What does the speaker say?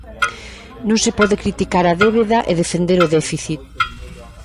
Non se pode criticar a débeda e defender o déficit.